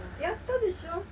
やったでしょ。